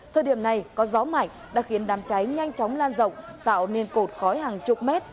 thời điểm này có gió mạnh đã khiến đám cháy nhanh chóng lan rộng tạo nên cột khói hàng chục mét